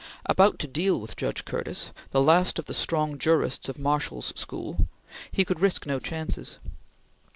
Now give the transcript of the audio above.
About to deal with Judge Curtis, the last of the strong jurists of Marshall's school, he could risk no chances.